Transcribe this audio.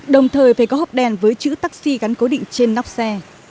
đồng thời phải có hộp đèn với chữ taxi gắn cố định trên nóc xe